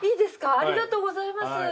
ありがとうございます。